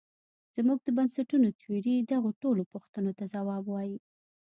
زموږ د بنسټونو تیوري دغو ټولو پوښتونو ته ځواب وايي.